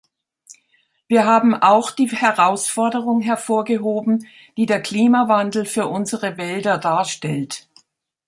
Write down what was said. Wir haben auch die Herausforderung hervorgehoben, die der Klimawandel für unsere Wälder darstellt.